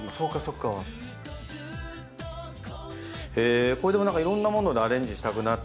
これでも何かいろんなものでアレンジしたくなってきたよね。